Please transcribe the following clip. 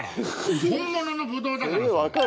本物のブドウだから。